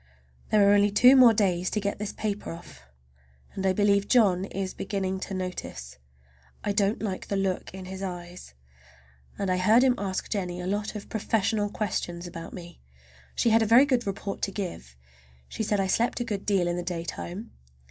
There are only two more days to get this paper off, and I believe John is beginning to notice. I don't like the look in his eyes. And I heard him ask Jennie a lot of professional questions about me. She had a very good report to give. She said I slept a good deal in the daytime.